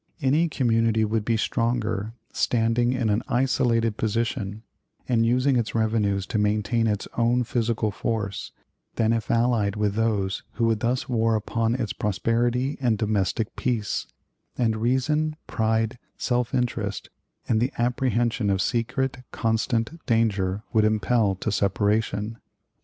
Any community would be stronger standing in an isolated position, and using its revenues to maintain its own physical force, than if allied with those who would thus war upon its prosperity and domestic peace; and reason, pride, self interest, and the apprehension of secret, constant danger would impel to separation.